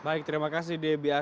baik terima kasih debbie